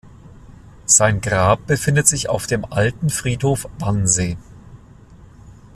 Sein Grab befindet sich auf dem Alten Friedhof Wannsee.